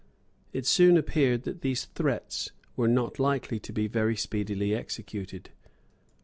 It soon appeared that these threats were not likely to be very speedily executed.